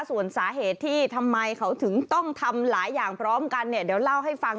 ส่วนสาเหตุที่ทำไมเขาถึงต้องทำหลายอย่างพร้อมกันเนี่ยเดี๋ยวเล่าให้ฟัง